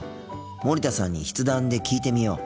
森田さんに筆談で聞いてみよう。